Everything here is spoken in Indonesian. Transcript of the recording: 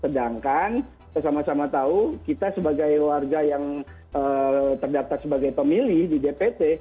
sedangkan kita sama sama tahu kita sebagai warga yang terdaftar sebagai pemilih di dpt